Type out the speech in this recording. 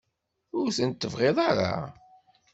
Ur tent-tebɣiḍ ara?